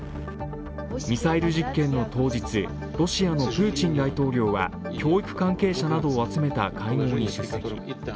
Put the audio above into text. ミサイル実験の当日、ロシアのプーチン大統領は教育関係者などを集めた会合に出席。